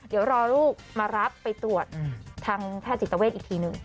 เดี๋ยวรอลูกมารับไปตรวจทางแพทย์จิตเวทอีกทีหนึ่ง